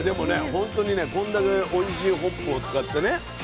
ほんとにねこんだけおいしいホップを使ってねいいビール。